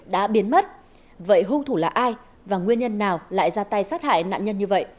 đã biến mất vậy hung thủ là ai và nguyên nhân nào lại ra tay sát hại nạn nhân như vậy